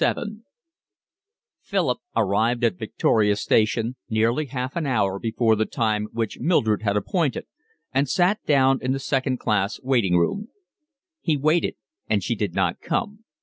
LVII Philip arrived at Victoria Station nearly half an hour before the time which Mildred had appointed, and sat down in the second class waiting room. He waited and she did not come.